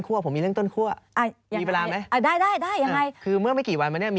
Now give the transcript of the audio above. ขอบคุณมากครับ